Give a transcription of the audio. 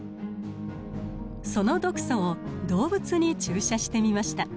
その毒素を動物に注射してみました。